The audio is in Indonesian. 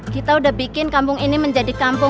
kita udah bikin kampung ini menjadi kampung